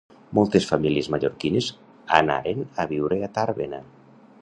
Moltes famílies mallorquines anaren a viure a Tàrbena.